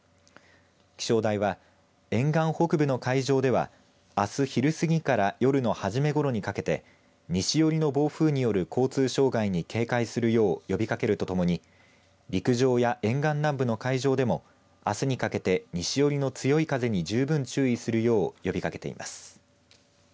気象台は沿岸北部の海上ではあす昼過ぎから夜の初めごろにかけて西寄りの暴風による交通障害に警戒するよう呼びかけるとともに陸上や沿岸南部の海上でもあすにかけて西寄りの強い風に十分注意するよう呼びかけています。